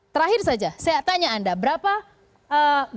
terakhir saja saya tanya anda berapa